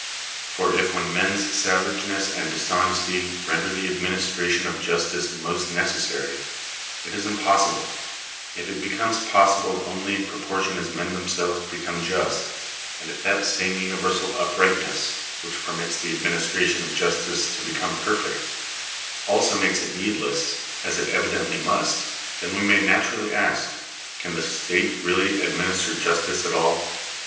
iFor if when men's savageness and dishonesty render the ad Digitized by VjOOQIC THE DUTY OF THE STATE. 265 ministration of justice most necessary, it is impossible ; if it becomes possible only in proportion as men themselves become just; and if that same universal uprightness, which permits the administration of justice to become perfect, also makes it needless, as it evidently must, then we may naturally ask — Can the state really administer justice at all